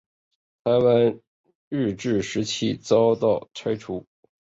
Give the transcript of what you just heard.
台湾日治时期遭到拆除。